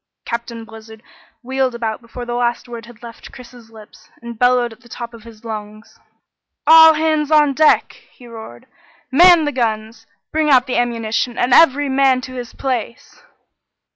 Captain Blizzard wheeled about before the last word had left Chris's lips, and bellowed at the top of his lungs. "All hands on deck!" he roared. "Man the guns! Bring out the ammunition, and every man to his place!"